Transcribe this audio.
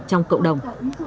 trong cộng đồng